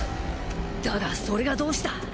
だがそれがどうした？